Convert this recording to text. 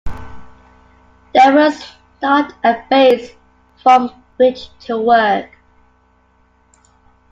There was not a base from which to work.